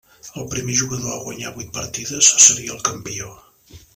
El primer jugador a guanyar vuit partides seria el campió.